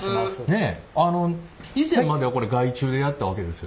あの以前まではこれ外注でやったわけですよね？